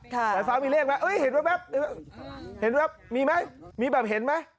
เสาไฟฟ้ามีเลขไหมเอ้ยเห็นไหมมีไหมมีแบบเห็นไหม